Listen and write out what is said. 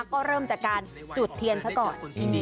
ก็เริ่มจากการจุดเทียนซะก่อน